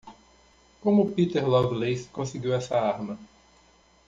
Como Peter Lovelace conseguiu essa arma?